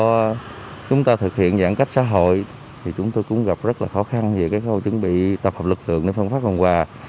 khi chúng ta thực hiện giãn cách xã hội thì chúng tôi cũng gặp rất là khó khăn về cái câu chuẩn bị tập hợp lực lượng để phân phát phần quà